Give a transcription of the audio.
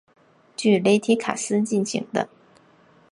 据雷提卡斯进行的。